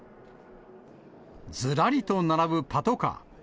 ずらりと並ぶパトカー。